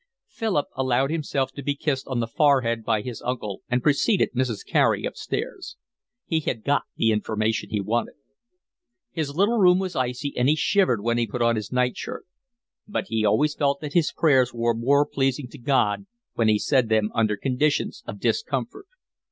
Philip allowed himself to be kissed on the forehead by his uncle and preceded Mrs. Carey upstairs. He had got the information he wanted. His little room was icy, and he shivered when he put on his nightshirt. But he always felt that his prayers were more pleasing to God when he said them under conditions of discomfort.